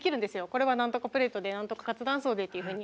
これは何とかプレートで何とか活断層でっていうふうに。